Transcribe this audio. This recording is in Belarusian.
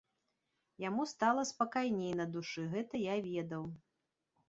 Яму стала спакайней на душы, гэта я ведаў.